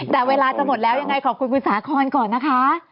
แต่เวลาจะหมดแล้วยังไงขอบคุณคุณสาคอนก่อนนะคะ